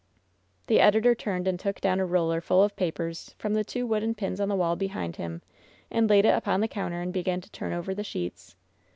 The editor turned and took down a roller full of papers from the two wooden pins on the wall behind him, and laid it upon the counter and began to turn over the sheets.